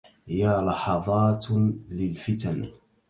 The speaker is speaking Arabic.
يا لحظات للفتن